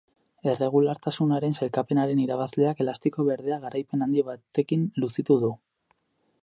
Erregulartasunaren sailkapenaren irabazleak elastiko berdea garaipen handi batekin luzitu du.